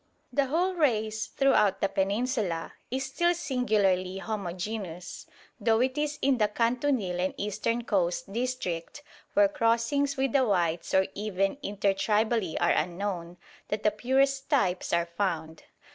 The whole race throughout the Peninsula is still singularly homogeneous, though it is in the Kantunil and eastern coast district, where crossings with the whites or even inter tribally are unknown, that the purest types are found.